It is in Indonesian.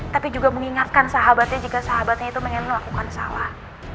tapi juga mengingatkan sahabatnya jika sahabatnya itu ingin melakukan salah